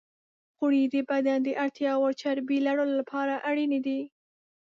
غوړې د بدن د اړتیا وړ چربی لرلو لپاره اړینې دي.